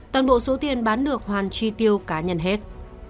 toàn bộ số tiền bán được hoàn tri tiêu cá nhân hết